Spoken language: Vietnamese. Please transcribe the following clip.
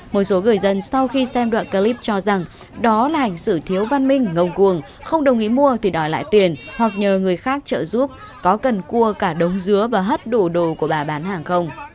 một số người dân sau khi xem đoạn clip cho rằng đó là hành xử thiếu văn minh ngông cuồng không đồng ý mua thì đòi lại tiền hoặc nhờ người khác trợ giúp có cần cua cả đống dứa và hất đủ đồ của bà bán hàng không